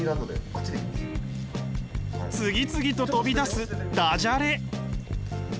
次々と飛び出すダジャレ。